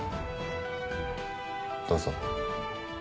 どうぞ。